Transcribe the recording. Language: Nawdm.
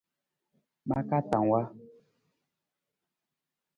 Ma katang wa.